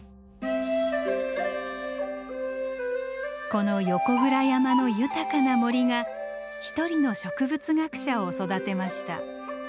この横倉山の豊かな森が１人の植物学者を育てました。